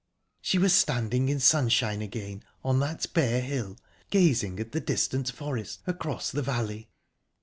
She was standing in sunshine again, on that bare hill, gazing at the distant forest, across the valley.